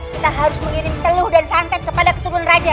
kita harus mengirim teluh dan santet kepada keturun raja